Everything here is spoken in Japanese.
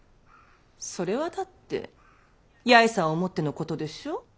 それはだって八重さんを思ってのことでしょう？